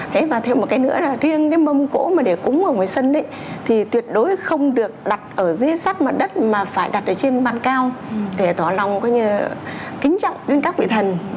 thế và thêm một cái nữa là riêng cái mâm cỗ mà để cúng ở ngoài sân thì tuyệt đối không được đặt ở dưới sắt mặt đất mà phải đặt ở trên bàn cao để tỏ lòng kính trọng lên các vị thần